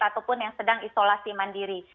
ataupun yang sedang isolasi mandiri